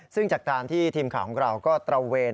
ซึ่งจากการที่ทีมข่าวของเราก็ตระเวน